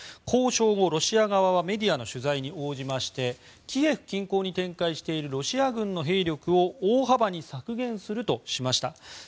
交渉後、ロシア側はメディアの取材に応じましてキエフ近郊に展開しているロシア軍の兵力を大幅に削減するとしました。